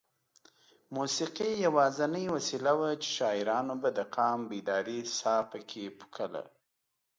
موسېقي یوازینۍ وسیله وه چې شاعرانو به د قام بیدارۍ ساه پکې پو کوله.